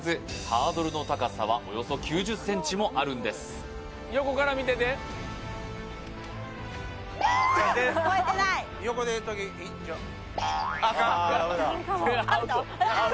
ハードルの高さはおよそ９０ｃｍもあるんですアウト？